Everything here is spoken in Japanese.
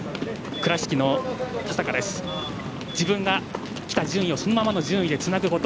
倉敷の田坂は自分が来た順位をそのままの順位でつなぐこと。